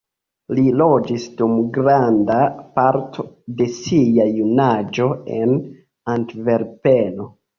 Li loĝis dum granda parto de sia junaĝo en Antverpeno.